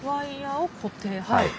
はい。